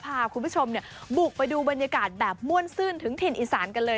พาคุณผู้ชมบุกไปดูบรรยากาศแบบม่วนซื่นถึงถิ่นอีสานกันเลย